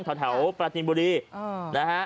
แถวแถวประติมบุรีนะฮะ